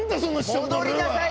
戻りなさい！